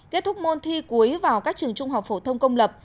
kết thúc môn thi cuối vào các trường trung học phổ thông công lập